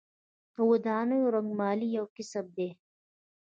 د ودانیو رنګمالي یو کسب دی